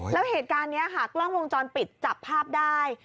แล้วเหตุการณ์นี้ค่ะกล้องวงจรปิดจับภาพได้